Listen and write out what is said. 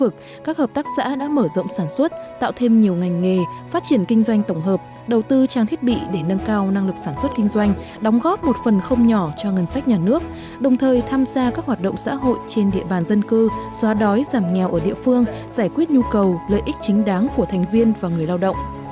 các hợp tác xã đã mở rộng sản xuất tạo thêm nhiều ngành nghề phát triển kinh doanh tổng hợp đầu tư trang thiết bị để nâng cao năng lực sản xuất kinh doanh đóng góp một phần không nhỏ cho ngân sách nhà nước đồng thời tham gia các hoạt động xã hội trên địa bàn dân cư xóa đói giảm nghèo ở địa phương giải quyết nhu cầu lợi ích chính đáng của thành viên và người lao động